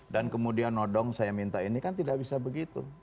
dan kemudian nodong saya minta ini kan tidak bisa begitu